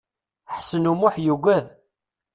Ḥsen U Muḥ yugad.